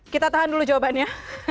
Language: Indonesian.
kita tahan dulu jawabannya